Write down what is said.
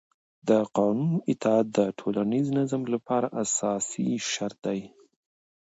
د قانون اطاعت د ټولنیز نظم لپاره اساسي شرط دی